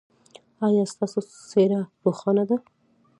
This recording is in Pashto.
ایا ستاسو څیره روښانه ده؟